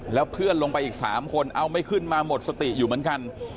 แล้วเพื่อนลงไปอีก๓คนเอาไม่ขึ้นมาหมดสติอยู่เหมือนกัน